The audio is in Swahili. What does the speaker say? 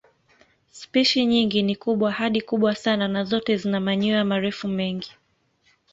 Spishi nyingi ni kubwa hadi kubwa sana na zote zina manyoya marefu mengi.